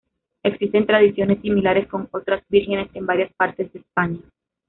Existen tradiciones similares con otras vírgenes en varias partes de España.